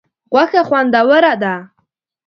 غوښه خوندوره ده.